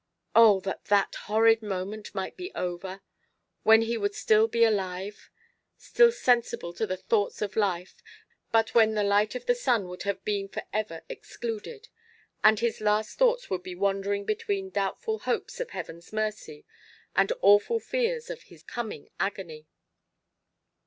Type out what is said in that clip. Oh! that that horrid moment might be over when he would still be alive still sensible to the thoughts of life but when the light of the sun would have been for ever excluded, and his last thoughts would be wandering between doubtful hopes of Heaven's mercy, and awful fears of his coming agony.